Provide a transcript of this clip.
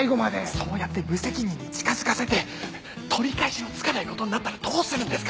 そうやって無責任に近づかせて取り返しのつかないことになったらどうするんですか？